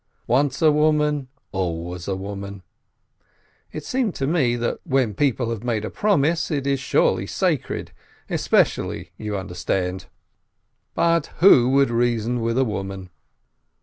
Once a woman, always a woman ! It seemed to me, that when people have made a promise, it is surely sacred, especially — you understand? But who would reason with a woman?